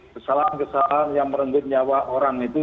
kesalahan kesalahan yang merenggut nyawa orang itu